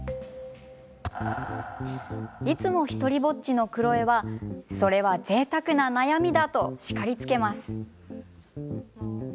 いつも独りぼっちのクロエはそれは、ぜいたくな悩みだと叱りつけます。